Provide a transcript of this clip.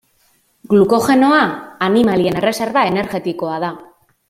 Glukogenoa animalien erreserba energetikoa da.